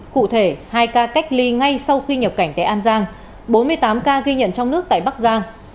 cụ thể hai ca cách ly ngay sau khi nhập cảnh tại an giang bốn mươi tám ca ghi nhận trong nước tại bắc giang